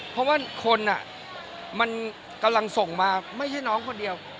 เพราะว่าคนมันกำลังส่งมาไม่ใช่น้องคนเดียว